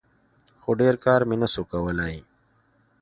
خو ډېر کار مې نسو کولاى.